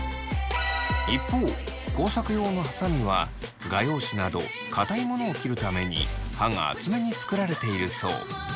一方工作用のはさみは画用紙など硬いものを切るために刃が厚めに作られているそう。